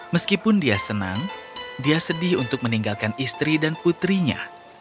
meskipun dia senang dia sedih untuk meninggalkan istri dan putrinya